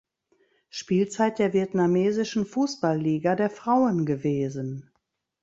Spielzeit der vietnamesischen Fußballliga der Frauen gewesen.